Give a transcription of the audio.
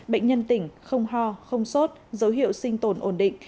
bệnh nhân tỉnh không ho không sốt dấu hiệu sinh tồn ổn định